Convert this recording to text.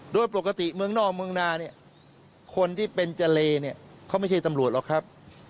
โดยปกติเมืองนอกเมืองนาเนี่ยคนที่เป็นเจรเนี่ยเขาไม่ใช่ตำรวจหรอกครับ